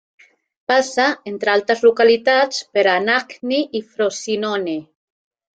Passa, entre altres localitats, per Anagni i Frosinone.